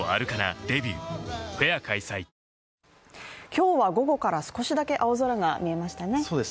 今日は午後から少しだけ青空が見えましたね